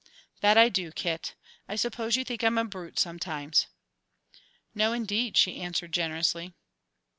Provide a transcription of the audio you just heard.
"That I do, Kit. I suppose you think I'm a brute sometimes." "No, indeed," she answered, generously.